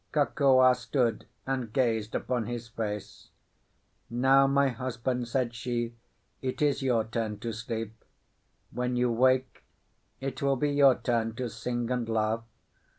Kokua stood and gazed upon his face. "Now, my husband," said she, "it is your turn to sleep. When you wake it will be your turn to sing and laugh.